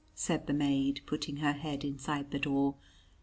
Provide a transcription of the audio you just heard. said the maid, putting her head inside the door.